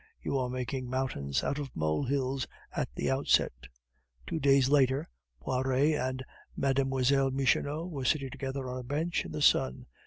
You are making mountains out of molehills at the outset." Two days later, Poiret and Mlle. Michonneau were sitting together on a bench in the sun.